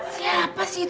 siapa sih itu